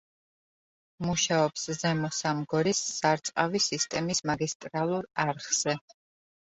მუშაობს ზემო სამგორის სარწყავი სისტემის მაგისტრალურ არხზე.